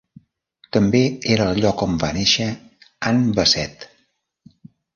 També era el lloc on va néixer Ann Bassett.